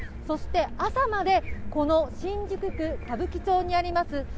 そして、朝までこの新宿区歌舞伎町にあります